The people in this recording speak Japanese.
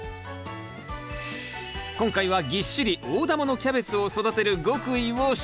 今回はぎっしり大玉のキャベツを育てる極意を紹介します。